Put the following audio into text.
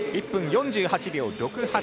１分４８秒６８。